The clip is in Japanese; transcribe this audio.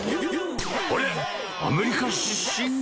あれ、アメリカ出身？